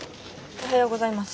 おはようございます。